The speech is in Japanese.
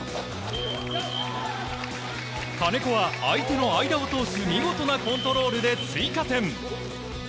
金子は相手の間を通す見事なコントロールで追加点。